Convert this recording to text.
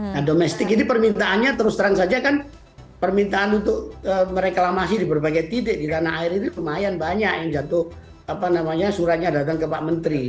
nah domestik ini permintaannya terus terang saja kan permintaan untuk mereklamasi di berbagai titik di tanah air itu lumayan banyak yang jatuh suratnya datang ke pak menteri